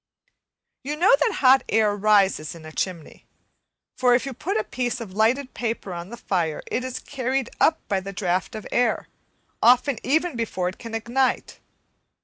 You know that hot air rises in the chimney; for if you put a piece of lighted paper on the fire it is carried up by the draught of air, often even before it can ignite.